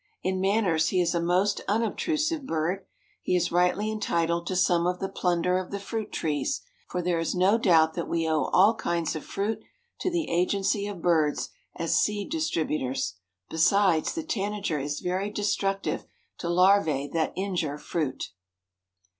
In manners he is a most unobtrusive bird. He is rightly entitled to some of the plunder of the fruit trees. For there is no doubt that we owe all kinds of fruit to the agency of birds as seed distributors. Besides, the tanager is very destructive to larvae that injure fruit.